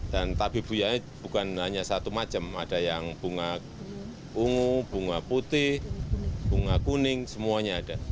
dan tebe buianya bukan hanya satu macam ada yang bunga ungu bunga putih bunga kuning semuanya ada